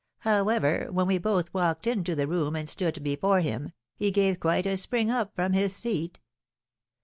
However, when we both walked into the room and stood before him, he gave quite a spring up from his seat.